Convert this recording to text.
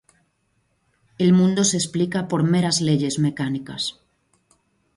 El mundo se explica por meras leyes mecánicas.